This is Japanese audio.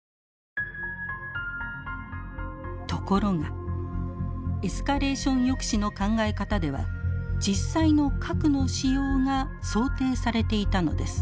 ところがエスカレーション抑止の考え方では実際の核の使用が想定されていたのです。